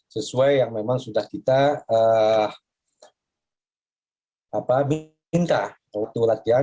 sesuai yang memang sudah kita minta waktu latihan